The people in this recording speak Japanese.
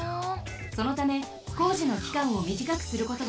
そのためこうじのきかんをみじかくすることができ